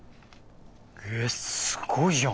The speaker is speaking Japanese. えっすごいじゃん。